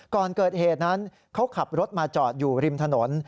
ก่อนเกิดเหตุนั้นเขาขับรถมาจอดอยู่ริมถนน